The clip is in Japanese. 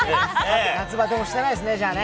夏バテもしてないですね、じゃあね。